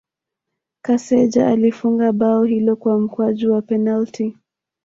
Kaseja alifunga bao hilo kwa mkwaju wa penalti